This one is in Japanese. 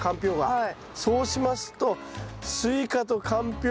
はい。